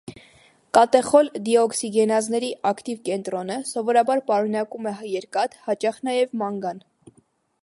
Կատեխոլ դիօքսիգենազների ակտիվ կենտրոնը սովորաբար պարունակում է երկաթ, հաճախ նաև մանգան։